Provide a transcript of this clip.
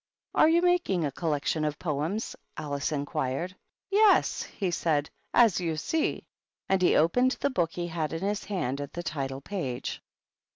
"Are you making a collection of poems?" Alice inquired. " Yes," he said, " as you see." And he opened the book he had in his hand at the title page.